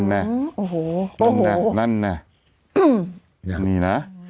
นั่นแน่นั่นแน่นี่นะ